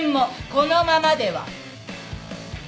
このままでは。